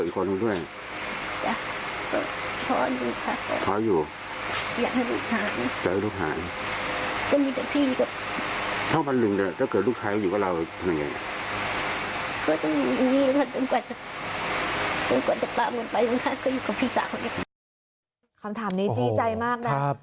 คำถามนี้จี้ใจมากนะ